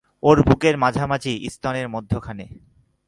ওর বুকের মাঝামাঝি, স্তনের মধ্যখানে।